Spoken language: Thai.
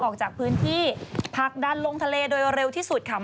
ออกจากพื้นที่ผลักดันลงทะเลโดยเร็วที่สุดค่ะ